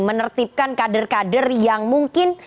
menertibkan kader kader yang mungkin